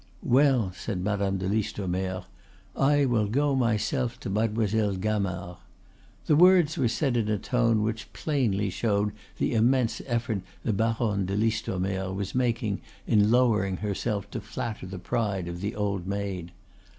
"Well," said Madame de Listomere. "I will go myself to Mademoiselle Gamard." The words were said in a tone which plainly showed the immense effort the Baronne de Listomere was making in lowering herself to flatter the pride of the old maid.